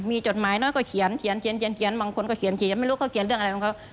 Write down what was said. มีจดหมายน้อยก็เขียนเขียนบางคนก็เขียนไม่รู้เขาเขียนเรื่องอะไรของเขา